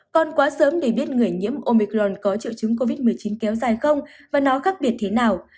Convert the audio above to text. còn quá sớm để biết người nhiễm omicron có triệu chứng covid một mươi chín kéo dài không và nó khác biệt thế nào